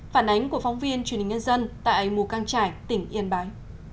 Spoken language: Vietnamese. phản ánh của phóng viên truyền hình nhân dân tại mù căng trải tỉnh yên bái